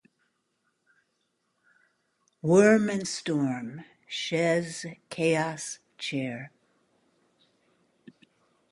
Worm and storm; chaise, chaos, chair;